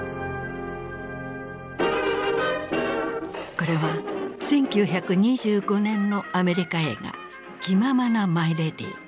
これは１９２５年のアメリカ映画「気ままなマイレディ」。